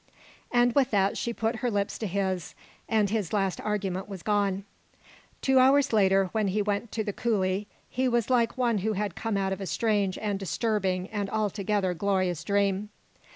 And with that she put her lips to his, and his last argument was gone. Two hours later, when he went to the coulee, he was like one who had come out of a strange and disturbing and altogether glorious dream.